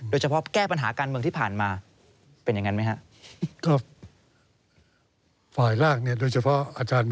โดยเฉพาะแก้ปัญหาการเมืองที่ผ่านมา